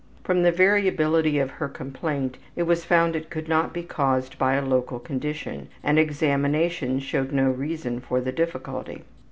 From the variability of her complaint it was found it could not be caused by a local condition, and examination showed no reason for the difficulty.